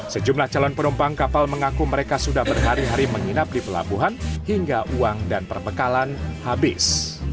sejumlah calon penumpang kapal mengaku mereka sudah berhari hari menginap di pelabuhan hingga uang dan perbekalan habis